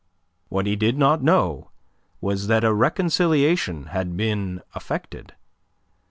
What he did not know was that a reconciliation had been effected.